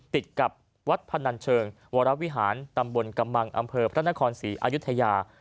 ติดกับวัดพนันเชิงวรวิหารตำบลกำมังอำเภอพระนครศรีอายุทยา